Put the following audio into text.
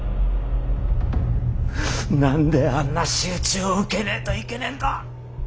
何であんな仕打ちを受けねえといけねえんだ。